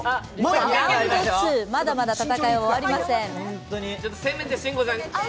まだまだ戦いは終わりません。